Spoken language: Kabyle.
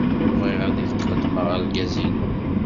Bɣiɣ ad ak-d-qeddmeɣ argaz-inu.